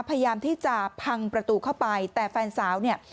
พยายามที่จะพังประตูเข้าไปแต่แฟนสาวเนี่ย